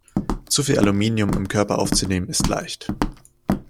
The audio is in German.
Zu viel Aluminium im Körper aufzunehmen, ist leicht.